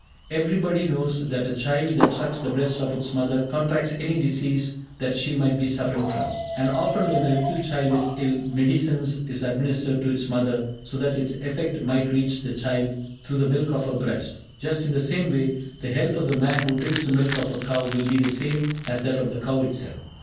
Everybody knows that a child that sucks the breast of its mother contracts any disease that she might be suffering from. And often when a little child is ill, medicine is administered to its mother, so that its effect might reach the child through the milk of her breast. Just in the same way, the health of the man who drinks the milk of a cow will be the same as that of the cow itself.